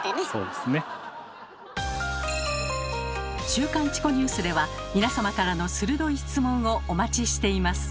「週刊チコニュース」では皆様からの鋭い質問をお待ちしています。